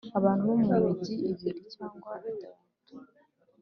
abantu bo mu migi ibiri cyangwa itatu